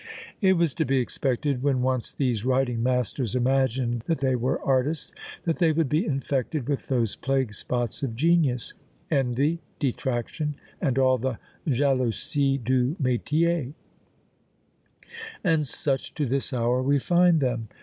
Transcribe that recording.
It was to be expected, when once these writing masters imagined that they were artists, that they would be infected with those plague spots of genius envy, detraction, and all the jalousie du métier. And such to this hour we find them!